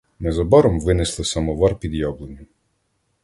Незабаром винесли самовар під яблуню.